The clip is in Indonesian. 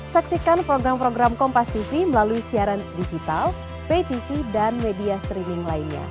saksikan program program kompastv melalui siaran digital paytv dan media streaming lainnya